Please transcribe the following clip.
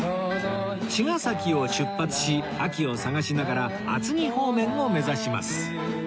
茅ヶ崎を出発し秋を探しながら厚木方面を目指します